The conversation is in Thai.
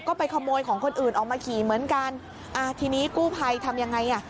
ก็ไปขโมยของคนอื่นออกมาขี่เหมือนกันอ่าทีนี้กู้ภัยทำยังไงอ่ะ